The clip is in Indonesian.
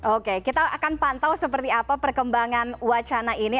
oke kita akan pantau seperti apa perkembangan wacana ini